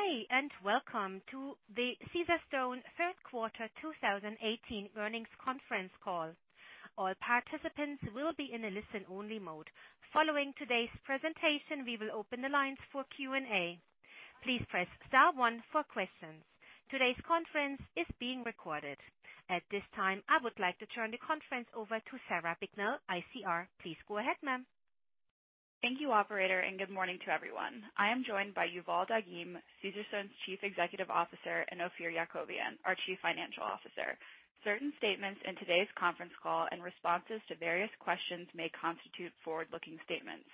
Good day, welcome to the Caesarstone Q3 2018 earnings conference call. All participants will be in a listen-only mode. Following today's presentation, we will open the lines for Q&A. Please press star one for questions. Today's conference is being recorded. At this time, I would like to turn the conference over to Sarah Bignell, ICR. Please go ahead, ma'am. Thank you, operator, good morning to everyone. I am joined by Yuval Dagim, Caesarstone's Chief Executive Officer, Ophir Yakovian, our Chief Financial Officer. Certain statements in today's conference call and responses to various questions may constitute forward-looking statements.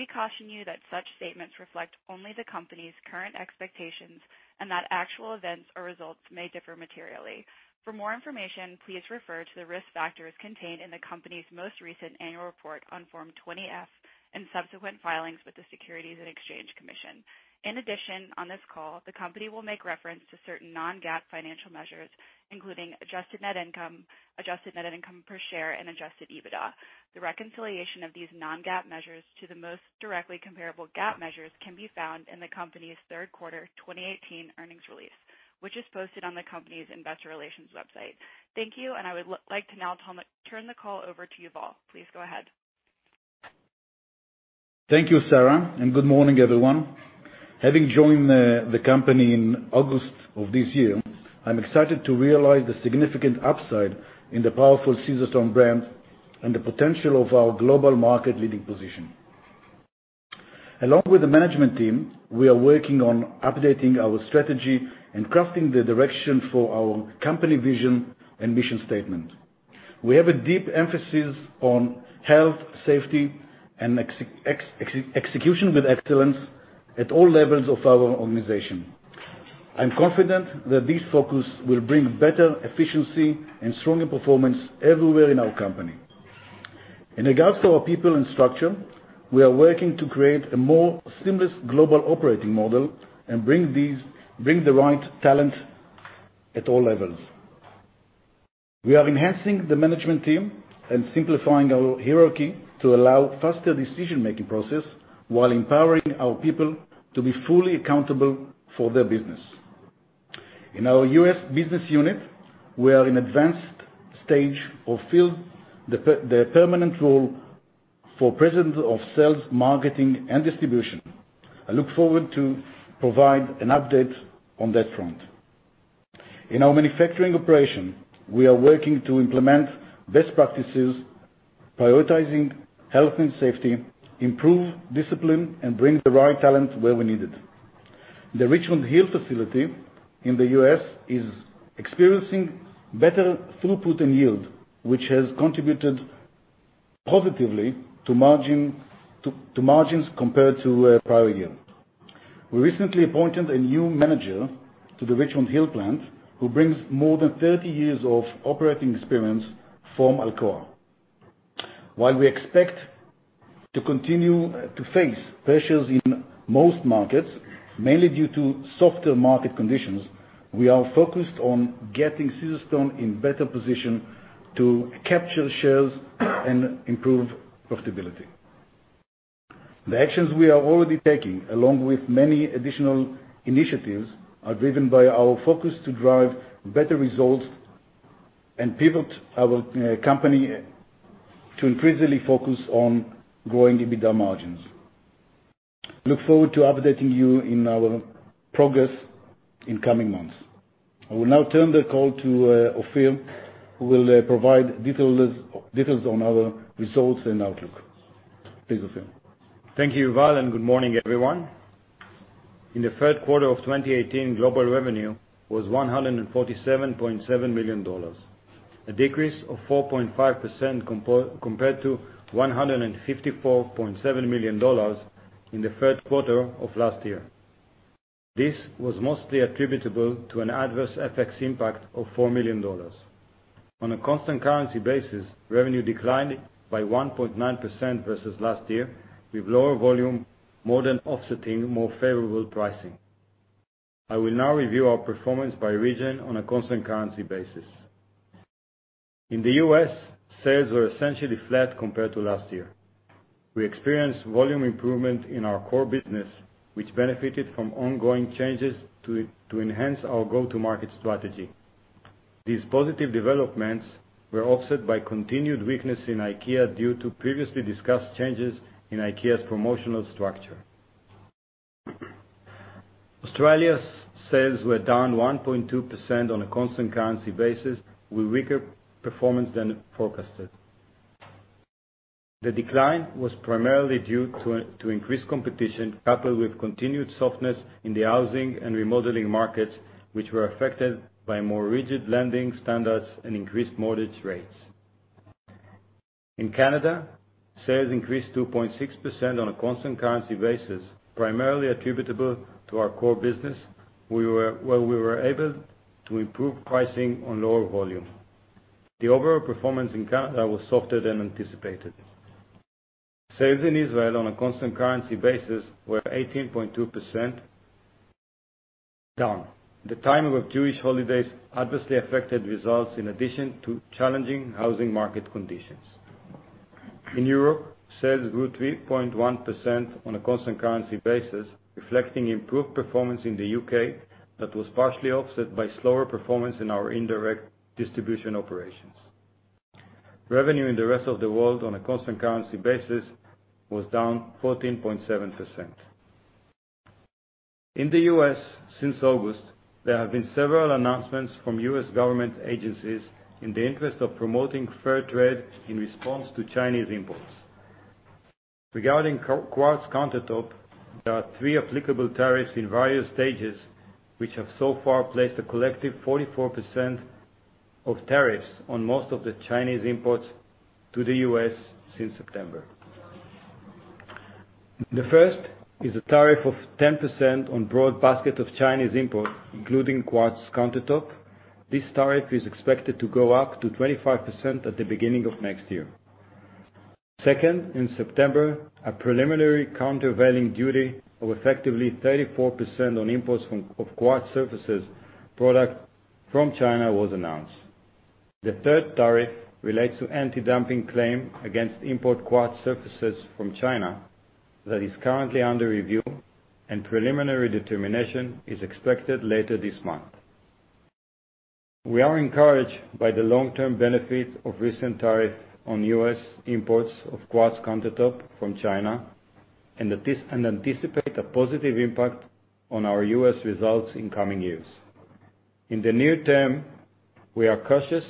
We caution you that such statements reflect only the company's current expectations and that actual events or results may differ materially. For more information, please refer to the risk factors contained in the company's most recent annual report on Form 20-F and subsequent filings with the Securities and Exchange Commission. In addition, on this call, the company will make reference to certain non-GAAP financial measures, including adjusted net income, adjusted net income per share, and adjusted EBITDA. The reconciliation of these non-GAAP measures to the most directly comparable GAAP measures can be found in the company's Q3 2018 earnings release, which is posted on the company's investor relations website. Thank you, I would like to now turn the call over to Yuval. Please go ahead. Thank you, Sarah, good morning, everyone. Having joined the company in August of this year, I'm excited to realize the significant upside in the powerful Caesarstone brand and the potential of our global market leading position. Along with the management team, we are working on updating our strategy and crafting the direction for our company vision and mission statement. We have a deep emphasis on health, safety, and execution with excellence at all levels of our organization. I'm confident that this focus will bring better efficiency and stronger performance everywhere in our company. In regards to our people and structure, we are working to create a more seamless global operating model and bring the right talent at all levels. We are enhancing the management team and simplifying our hierarchy to allow faster decision-making process while empowering our people to be fully accountable for their business. In our U.S. business unit, we are in advanced stage of fill the permanent role for President of Sales, Marketing, and Distribution. I look forward to provide an update on that front. In our manufacturing operation, we are working to implement best practices prioritizing health and safety, improve discipline, and bring the right talent where we need it. The Richmond Hill facility in the U.S. is experiencing better throughput and yield, which has contributed positively to margins compared to prior year. We recently appointed a new manager to the Richmond Hill plant who brings more than 30 years of operating experience from Alcoa. While we expect to continue to face pressures in most markets, mainly due to softer market conditions, we are focused on getting Caesarstone in better position to capture shares and improve profitability. The actions we are already taking, along with many additional initiatives, are driven by our focus to drive better results and pivot our company to increasingly focus on growing EBITDA margins. I look forward to updating you in our progress in coming months. I will now turn the call to Ophir, who will provide details on our results and outlook. Please, Ophir. Thank you, Yuval, and good morning, everyone. In the Q3 of 2018, global revenue was $147.7 million, a decrease of 4.5% compared to $154.7 million in the third quarter of last year. This was mostly attributable to an adverse FX impact of $4 million. On a constant currency basis, revenue declined by 1.9% versus last year, with lower volume more than offsetting more favorable pricing. I will now review our performance by region on a constant currency basis. In the U.S., sales were essentially flat compared to last year. We experienced volume improvement in our core business, which benefited from ongoing changes to enhance our go-to market strategy. These positive developments were offset by continued weakness in IKEA due to previously discussed changes in IKEA's promotional structure. Australia's sales were down 1.2% on a constant currency basis, with weaker performance than forecasted. The decline was primarily due to increased competition, coupled with continued softness in the housing and remodeling markets, which were affected by more rigid lending standards and increased mortgage rates. In Canada, sales increased 2.6% on a constant currency basis, primarily attributable to our core business, where we were able to improve pricing on lower volume. The overall performance in Canada was softer than anticipated. Sales in Israel on a constant currency basis were 18.2% down. The timing of Jewish holidays adversely affected results in addition to challenging housing market conditions. In Europe, sales grew 3.1% on a constant currency basis, reflecting improved performance in the U.K. that was partially offset by slower performance in our indirect distribution operations. Revenue in the rest of the world on a constant currency basis was down 14.7%. In the U.S., since August, there have been several announcements from U.S. government agencies in the interest of promoting fair trade in response to Chinese imports. Regarding quartz countertop, there are three applicable tariffs in various stages, which have so far placed a collective 44% of tariffs on most of the Chinese imports to the U.S. since September. The first is a tariff of 10% on broad basket of Chinese imports, including quartz countertop. This tariff is expected to go up to 25% at the beginning of next year. Second, in September, a preliminary countervailing duty of effectively 34% on imports of quartz surfaces product from China was announced. The third tariff relates to antidumping claim against import quartz surfaces from China that is currently under review, and preliminary determination is expected later this month. We are encouraged by the long-term benefit of recent tariff on U.S. imports of quartz countertop from China, and anticipate a positive impact on our U.S. results in coming years. In the near term, we are cautious,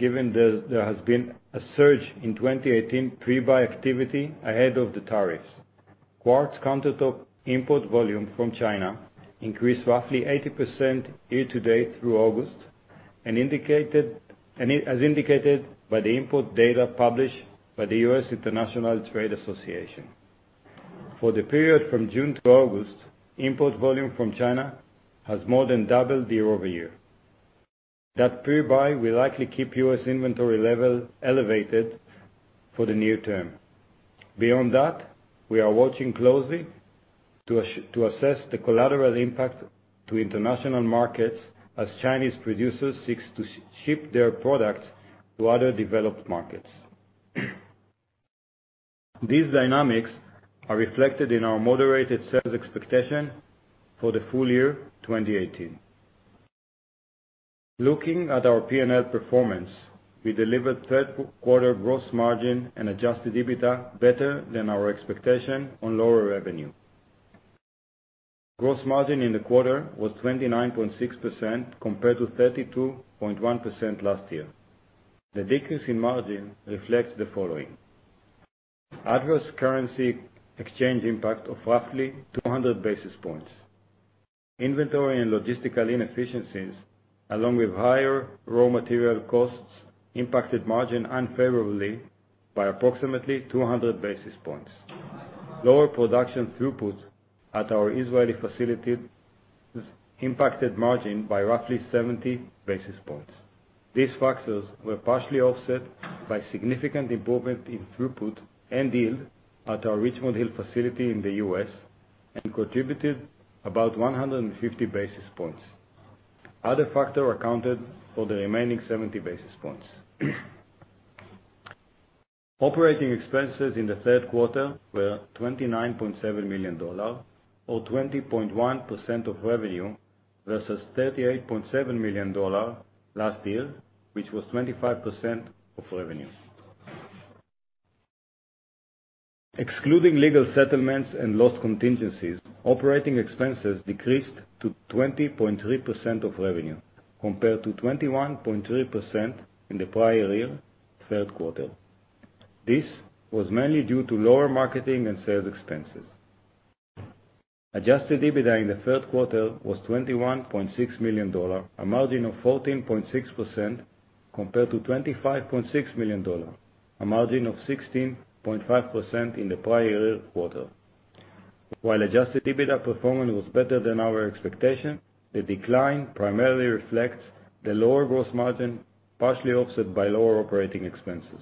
given there has been a surge in 2018 pre-buy activity ahead of the tariffs. Quartz countertop import volume from China increased roughly 80% year-to-date through August, as indicated by the import data published by the U.S. International Trade Commission. For the period from June - August, import volume from China has more than doubled year-over-year. That pre-buy will likely keep U.S. inventory level elevated for the near term. Beyond that, we are watching closely to assess the collateral impact to international markets as Chinese producers seek to ship their products to other developed markets. These dynamics are reflected in our moderated sales expectation for the full year 2018. Looking at our P&L performance, we delivered Q3 gross margin and adjusted EBITDA better than our expectation on lower revenue. Gross margin in the quarter was 29.6% compared to 32.1% last year. The decrease in margin reflects the following. Adverse currency exchange impact of roughly 200 basis points. Inventory and logistical inefficiencies, along with higher raw material costs impacted margin unfavorably by approximately 200 basis points. Lower production throughput at our Israeli facilities impacted margin by roughly 70 basis points. These factors were partially offset by significant improvement in throughput and yield at our Richmond Hill facility in the U.S. and contributed about 150 basis points. Other factor accounted for the remaining 70 basis points. Operating expenses in the Q3 were $29.7 million, or 20.1% of revenue versus $38.7 million last year, which was 25% of revenue. Excluding legal settlements and loss contingencies, operating expenses decreased to 20.3% of revenue, compared to 21.3% in the prior year Q3. This was mainly due to lower marketing and sales expenses. Adjusted EBITDA in the Q3 was $21.6 million, a margin of 14.6%, compared to $25.6 million, a margin of 16.5% in the prior year quarter. While adjusted EBITDA performance was better than our expectation, the decline primarily reflects the lower gross margin, partially offset by lower operating expenses.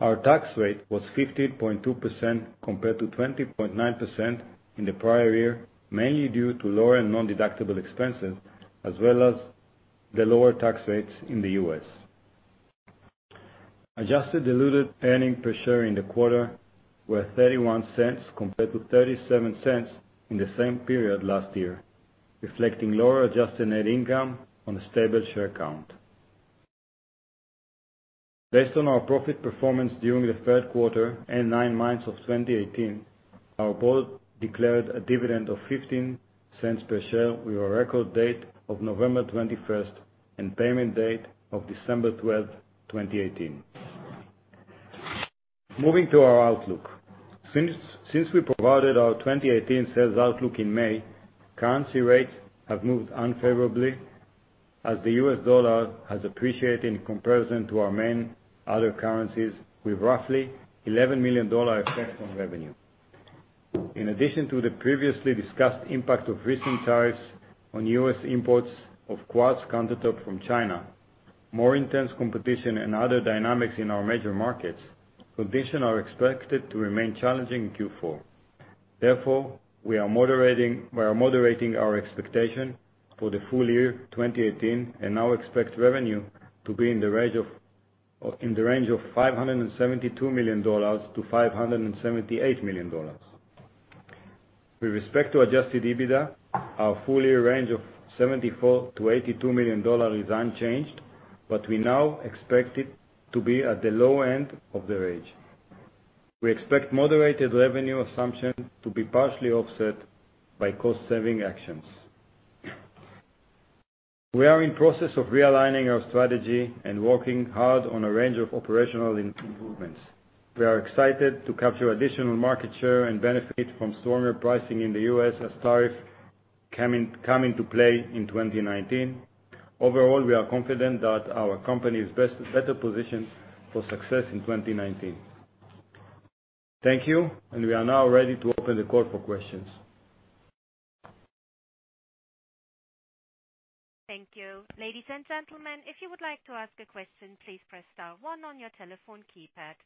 Our tax rate was 15.2% compared to 20.9% in the prior year, mainly due to lower nondeductible expenses as well as the lower tax rates in the U.S. Adjusted diluted earning per share in the quarter were $0.31 compared to $0.37 in the same period last year, reflecting lower adjusted net income on a stable share count. Based on our profit performance during the Q3 and nine months of 2018, our board declared a dividend of $0.15 per share with a record date of November 21st and payment date of December 12th, 2018. Moving to our outlook. Since we provided our 2018 sales outlook in May, currency rates have moved unfavorably as the U.S. dollar has appreciated in comparison to our main other currencies, with roughly $11 million effect on revenue. In addition to the previously discussed impact of recent tariffs on U.S. imports of quartz countertop from China, more intense competition and other dynamics in our major markets, conditions are expected to remain challenging in Q4. We are moderating our expectation for the full year 2018 and now expect revenue to be in the range of $572 million-$578 million. With respect to adjusted EBITDA, our full-year range of $74 million-$82 million is unchanged, but we now expect it to be at the low end of the range. We expect moderated revenue assumption to be partially offset by cost-saving actions. We are in process of realigning our strategy and working hard on a range of operational improvements. We are excited to capture additional market share and benefit from stronger pricing in the U.S. as tariff come into play in 2019. Overall, we are confident that our company is better positioned for success in 2019. Thank you. We are now ready to open the call for questions. Thank you. Ladies and gentlemen, if you would like to ask a question, please press star one on your telephone keypad.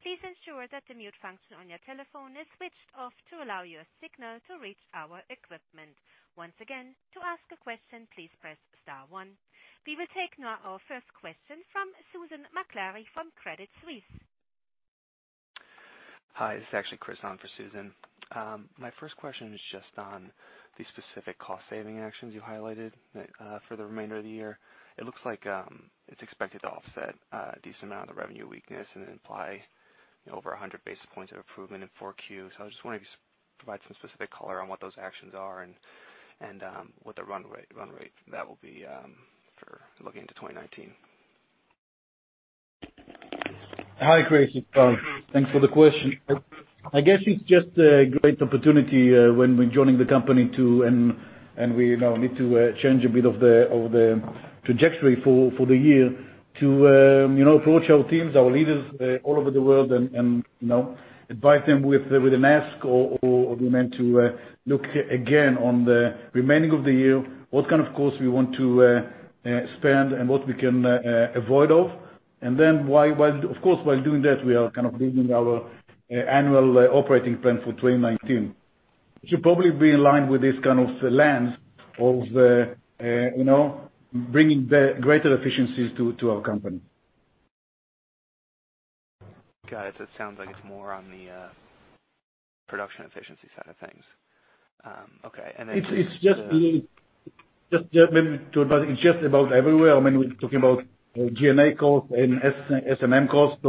Please ensure that the mute function on your telephone is switched off to allow your signal to reach our equipment. Once again, to ask a question, please press star one. We will take now our first question from Susan Maklari from Credit Suisse. Hi, this is actually Chris on for Susan. My first question is just on the specific cost-saving actions you highlighted for the remainder of the year. It looks like it's expected to offset a decent amount of the revenue weakness and imply over 100 basis points of improvement in four Q. I just want to provide some specific color on what those actions are and what the run rate for that will be for looking into 2019. Hi, Chris. Thanks for the question. I guess it's just a great opportunity when we're joining the company, and we now need to change a bit of the trajectory for the year to approach our teams, our leaders all over the world, and advise them with a master plan, or we need to look again on the remaining of the year, what kind of course we want to spend and what we can avoid off. Of course, while doing that, we are kind of building our annual operating plan for 2019. It should probably be in line with this kind of lens of bringing greater efficiencies to our company. Got it. It sounds like it's more on the production efficiency side of things. Okay. It's just about everywhere. We're talking about G&A costs and S&M costs.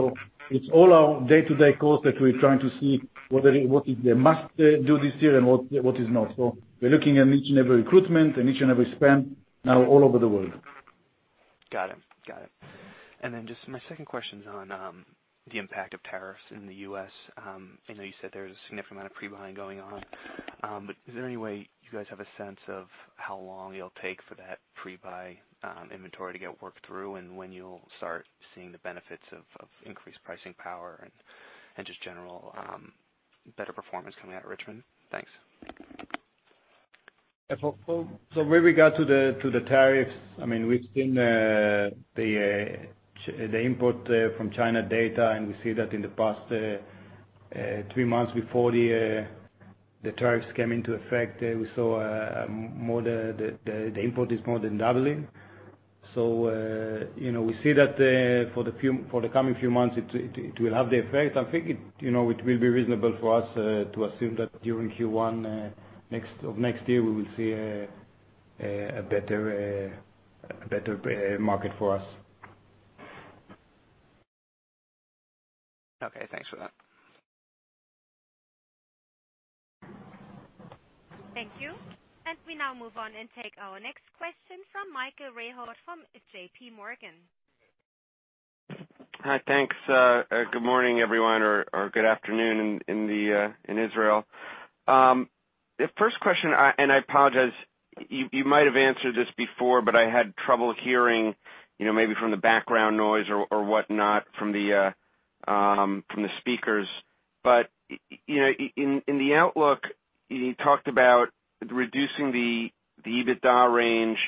It's all our day-to-day costs that we're trying to see what is the must-do this year and what is not. We're looking at each and every recruitment and each and every spend now all over the world. Got it. Just my second question is on the impact of tariffs in the U.S. I know you said there's a significant amount of pre-buying going on. Is there any way you guys have a sense of how long it'll take for that pre-buy inventory to get worked through and when you'll start seeing the benefits of increased pricing power and just general better performance coming out of Richmond? Thanks. With regard to the tariffs, we've seen the import from China data, and we see that in the past three months before the tariffs came into effect, we saw the import is more than doubling. We see that for the coming few months, it will have the effect. I think it will be reasonable for us to assume that during Q1 of next year, we will see a better market for us. Okay, thanks for that. Thank you. We now move on and take our next question from Michael Rehaut from J.P. Morgan. Hi, thanks. Good morning, everyone, or good afternoon in Israel. First question, I apologize, you might have answered this before, but I had trouble hearing, maybe from the background noise or whatnot from the speakers. In the outlook, you talked about reducing the EBITDA range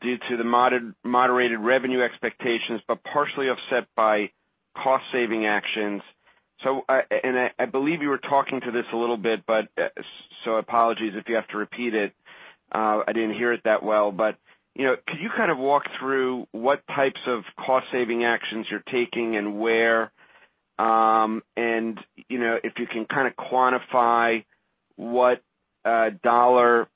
due to the moderated revenue expectations, but partially offset by cost-saving actions. I believe you were talking to this a little bit, so apologies if you have to repeat it. I didn't hear it that well. Could you kind of walk through what types of cost-saving actions you're taking and where, and if you can kind of quantify what dollar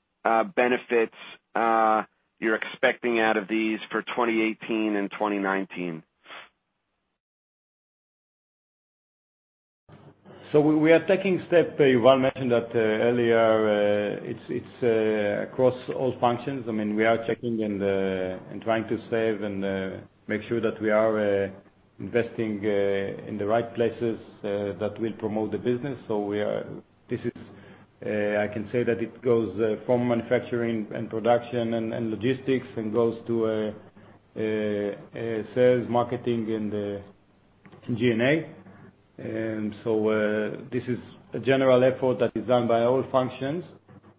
benefits you're expecting out of these for 2018 and 2019? We are taking steps. Ran mentioned that earlier. It's across all functions. We are checking and trying to save and make sure that we are investing in the right places that will promote the business. I can say that it goes from manufacturing and production and logistics and goes to sales, marketing, and G&A. This is a general effort that is done by all functions.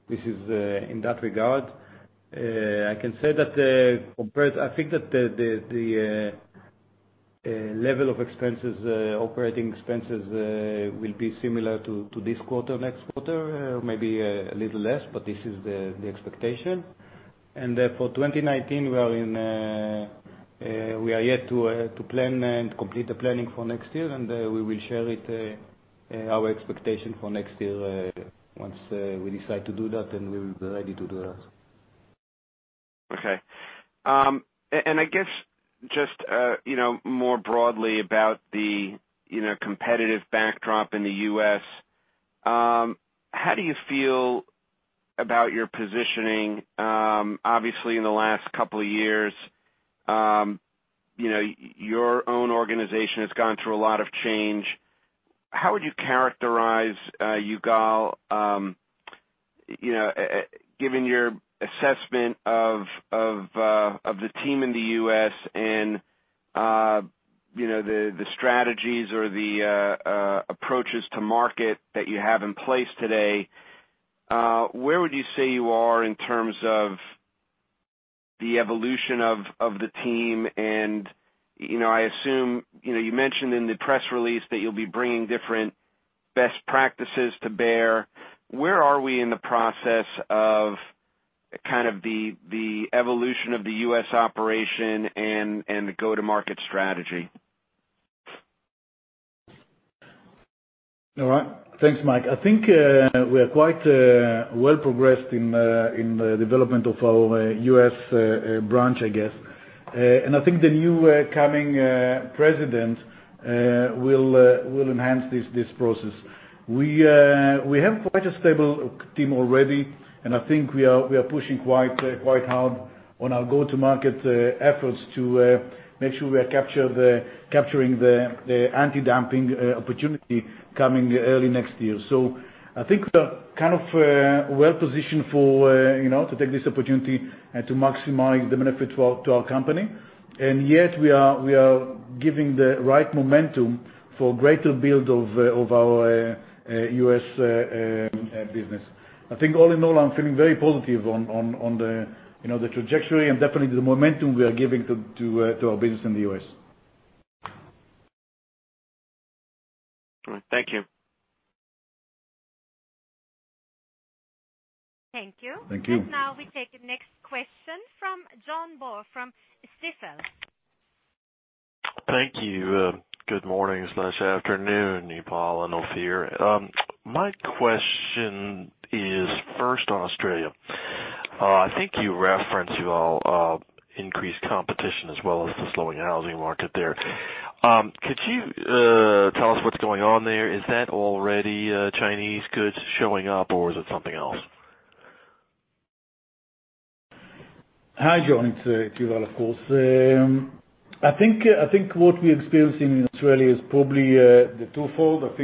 This is in that regard. I can say that I think that the A level of operating expenses will be similar to this quarter, next quarter, maybe a little less, but this is the expectation. For 2019, we are yet to plan and complete the planning for next year, and we will share our expectation for next year once we decide to do that, and we will be ready to do that. Okay. I guess just more broadly about the competitive backdrop in the U.S., how do you feel about your positioning? Obviously, in the last couple of years, your own organization has gone through a lot of change. How would you characterize, Yuval, given your assessment of the team in the U.S. and the strategies or the approaches to market that you have in place today, where would you say you are in terms of the evolution of the team and I assume, you mentioned in the press release that you'll be bringing different best practices to bear. Where are we in the process of the evolution of the U.S. operation and the go-to-market strategy? All right. Thanks, Mike. I think we are quite well progressed in the development of our U.S. branch, I guess. I think the new coming president will enhance this process. We have quite a stable team already, and I think we are pushing quite hard on our go-to-market efforts to make sure we are capturing the antidumping opportunity coming early next year. I think we are kind of well-positioned to take this opportunity and to maximize the benefit to our company. Yet we are giving the right momentum for greater build of our U.S. business. I think all in all, I'm feeling very positive on the trajectory and definitely the momentum we are giving to our business in the U.S. All right. Thank you. Thank you. Thank you. Now we take the next question from John Baugh from Stifel. Thank you. Good morning. It's nice afternoon, Yuval and Ophir. My question is, first on Australia. I think you referenced you all increased competition as well as the slowing housing market there. Could you tell us what's going on there? Is that already Chinese goods showing up, or is it something else? Hi, John. It's Yuval, of course. I think what we're experiencing in Australia is probably the twofold. I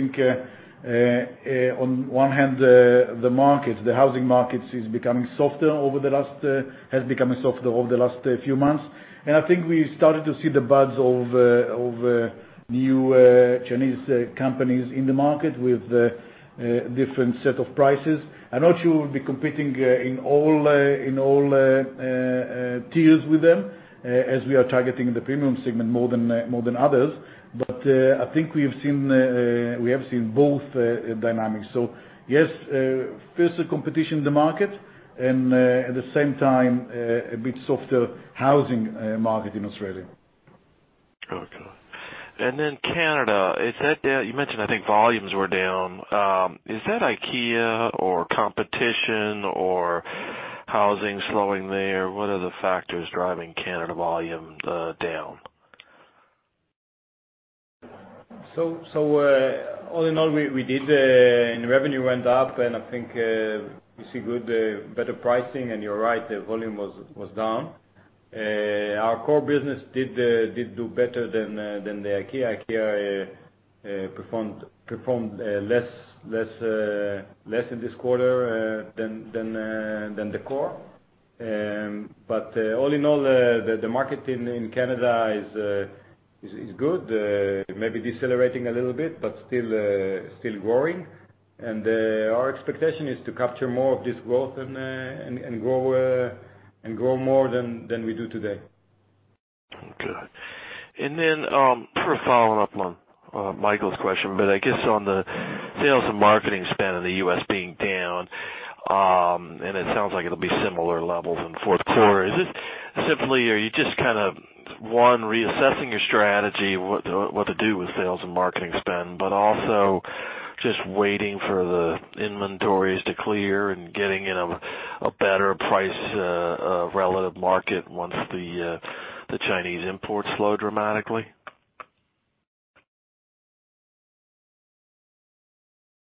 think, on one hand, the housing markets has become softer over the last few months. I think we started to see the buds of new Chinese companies in the market with a different set of prices. I'm not sure we'll be competing in all tiers with them, as we are targeting the premium segment more than others. I think we have seen both dynamics. Yes, fierce competition in the market, and at the same time, a bit softer housing market in Australia. Okay. Canada, you mentioned, I think volumes were down. Is that IKEA or competition or housing slowing there? What are the factors driving Canada volume down? All in all, we did, and revenue went up, and I think you see good, better pricing, and you're right, the volume was down. Our core business did do better than the IKEA. IKEA performed less in this quarter than the core. All in all, the market in Canada is good. Maybe decelerating a little bit, but still growing. Our expectation is to capture more of this growth and grow more than we do today. Just following up on Michael's question, but I guess on the sales and marketing spend in the U.S. being down, and it sounds like it'll be similar levels in the Q4. Is this simply, are you just kind of one, reassessing your strategy, what to do with sales and marketing spend, but also just waiting for the inventories to clear and getting in a better price relative market once the Chinese imports slow dramatically?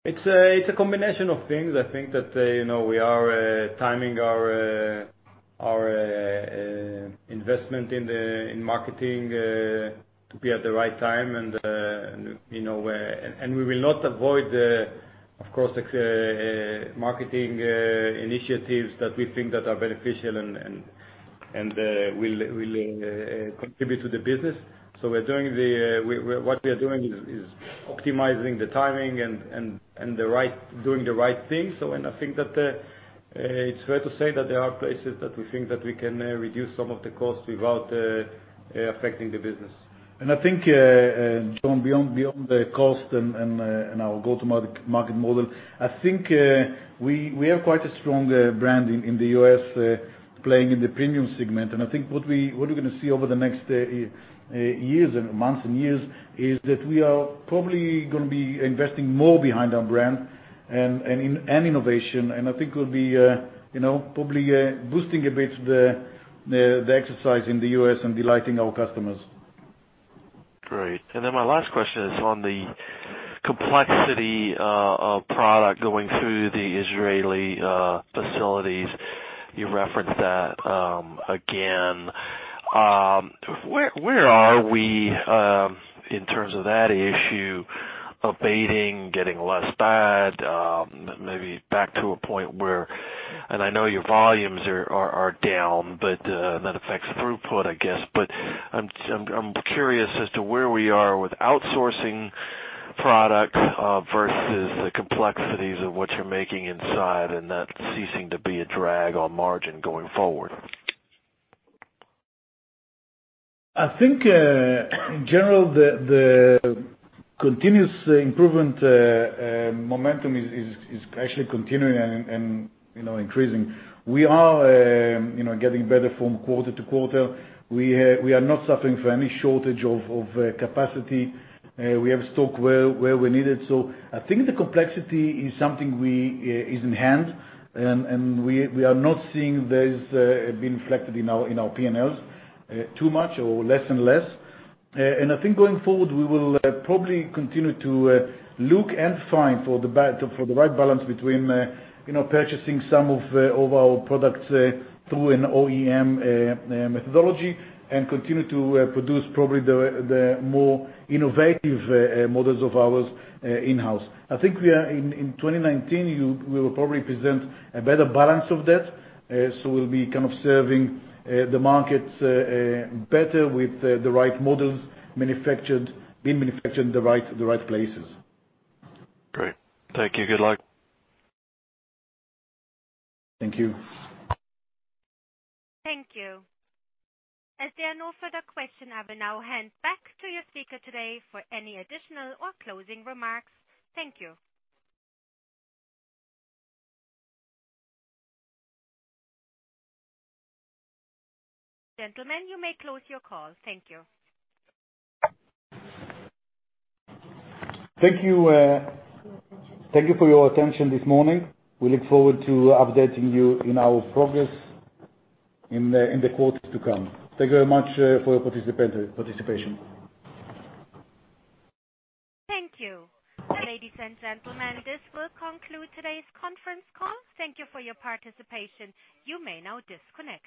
It's a combination of things. I think that we are timing our investment in marketing to be at the right time, and we will not avoid the, of course, the marketing initiatives that we think that are beneficial and will contribute to the business. What we are doing is optimizing the timing and doing the right thing. I think that it's fair to say that there are places that we think that we can reduce some of the costs without affecting the business. I think, John, beyond the cost and our go-to-market model, I think we have quite a strong brand in the U.S., playing in the premium segment. I think what we're going to see over the next months and years is that we are probably going to be investing more behind our brand and innovation. I think we'll be probably boosting a bit the exercise in the U.S. and delighting our customers. Great. My last question is on the complexity of product going through the Israeli facilities. You referenced that again. Where are we in terms of that issue abating, getting less bad, maybe back to a point. I know your volumes are down, but that affects throughput, I guess. I'm curious as to where we are with outsourcing product versus the complexities of what you're making inside, and that ceasing to be a drag on margin going forward. I think, in general, the continuous improvement momentum is actually continuing and increasing. We are getting better from quarter to quarter. We are not suffering from any shortage of capacity. We have stock where we need it. I think the complexity is something is in hand, and we are not seeing this being reflected in our P&Ls too much, or less and less. I think going forward, we will probably continue to look and find for the right balance between purchasing some of our products through an OEM methodology, and continue to produce probably the more innovative models of ours in-house. I think in 2019, we will probably present a better balance of that, we'll be kind of serving the markets better with the right models being manufactured in the right places. Great. Thank you. Good luck. Thank you. Thank you. As there are no further questions, I will now hand back to your speaker today for any additional or closing remarks. Thank you. Gentlemen, you may close your call. Thank you. Thank you for your attention this morning. We look forward to updating you in our progress in the quarters to come. Thank you very much for your participation. Thank you. Ladies and gentlemen, this will conclude today's conference call. Thank you for your participation. You may now disconnect.